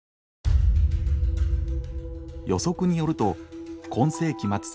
予測によると今世紀末